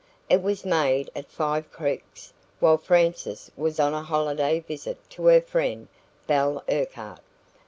It was made at Five Creeks, while Frances was on a holiday visit to her friend, Belle Urquhart.